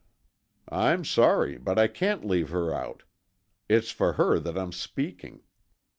"I'm sorry, but I can't leave her out. It's for her that I'm speaking.